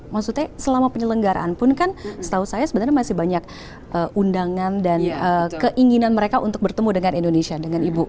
maksudnya selama penyelenggaraan pun kan setahu saya sebenarnya masih banyak undangan dan keinginan mereka untuk bertemu dengan indonesia dengan ibu